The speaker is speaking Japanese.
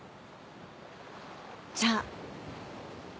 じゃあ。